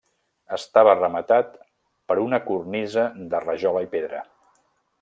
Estava rematat per una cornisa de rajola i pedra.